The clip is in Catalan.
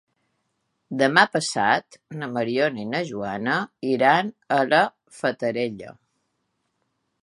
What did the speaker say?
Demà passat na Mariona i na Joana iran a la Fatarella.